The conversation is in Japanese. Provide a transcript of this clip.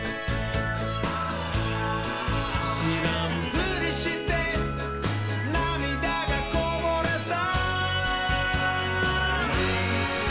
「しらんぷりしてなみだがこぼれた」